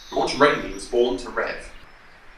George Rainy was born to Rev.